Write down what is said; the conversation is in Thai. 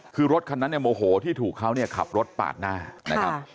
คือรถคันนั้นเนี่ยโมโหที่ถูกเขาเนี่ยขับรถปาดหน้านะครับ